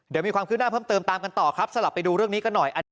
เดี๋ยวมีความขึ้นหน้าเพิ่มเติมตามกันต่อครับสลับไปดูเรื่องนี้กันหน่อย